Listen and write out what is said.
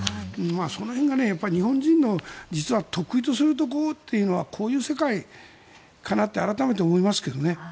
その辺が、日本人の実は得意とするところというのはこういう世界かなって改めて思いますけどね。